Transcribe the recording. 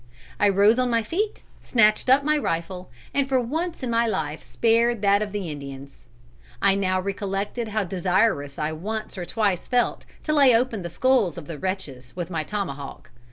I rose on my feet, snatched up my rifle, and for once in my life spared that of Indians. I now recollected how desirous I once or twice felt to lay open the skulls of the wretches with my tomahawk.